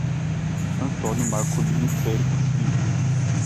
Antônio Marculino Felix Filho